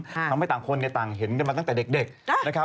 ทำให้ต่างคนต่างเห็นมาตั้งแต่เด็ก